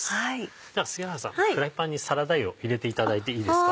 では杉原さんフライパンにサラダ油を入れていただいていいですか。